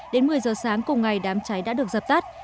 đến một mươi giờ sáng cùng ngày đám cháy đã được dập tắt